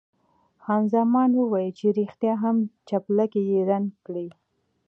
خان زمان ویل چې ریښتیا هم جاپلاک یې رنګ کړی.